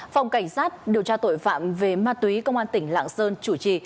phòng cảnh sát điều tra tội phạm về ma túy công an tỉnh lạng sơn chủ trì